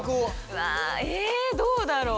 うわえどうだろう？